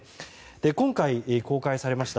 今回、公開されました